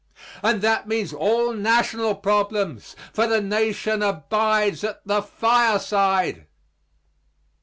And that means all national problems; for the Nation abides at the fireside.